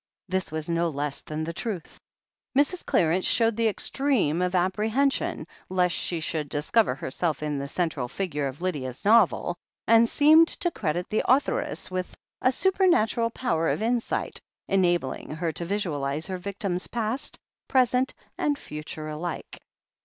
This was no less than the truth. Mrs. Clarence showed the extreme of apprehension, lest she should discover herself in the central figure of Lydia's novel, and seemed to credit the authoress with a supernatural power of insight enabling her to vis ualize her victim's past, present, and future alike.